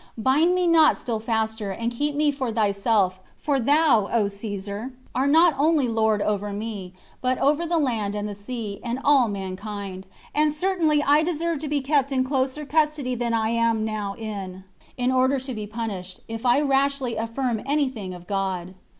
Bind me now still faster, and keep me for thyself, for thou, O Caesar, are not only lord over me, but over the land and the sea, and all mankind; and certainly I deserve to be kept in closer custody than I now am in, in order to be punished, if I rashly affirm any thing of God."